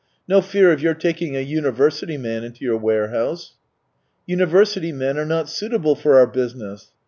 No fear of your taking a university man into your warehouse !"" University men are not suitable for our business."